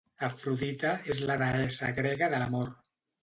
Afrodita és la deessa grega de l'amor.